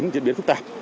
diễn biến phức tạp